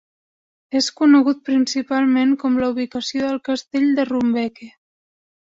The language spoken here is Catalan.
És conegut principalment com la ubicació del castell de Rumbeke.